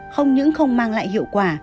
không những không mang lại hiệu quả